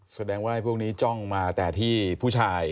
แสดงว่าพวกนี้จ้องมาแต่ที่ผู้ชาย